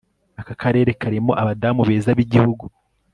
aka karere karimo abadamu beza b'igihugu